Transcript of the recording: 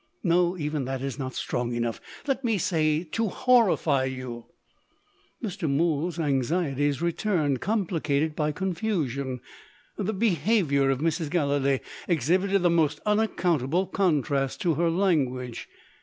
No even that is not strong enough. Let me say, to horrify you." Mr. Mool's anxieties returned, complicated by confusion. The behaviour of Mrs. Gallilee exhibited the most unaccountable contrast to her language.